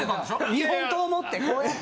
日本刀持ってこうやって。